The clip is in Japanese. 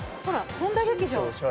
本多劇場。